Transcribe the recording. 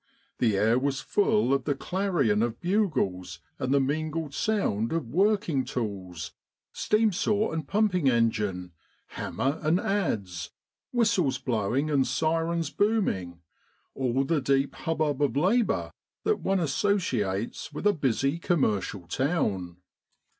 The air was full of the clarion of bugles and the mingled sound of working tools steam saw and pumping engine, hammer and adze, whistles blowing and syrens booming, all the deep hubbub of labour that one associates with a busy commercial town.